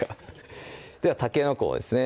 ではたけのこですね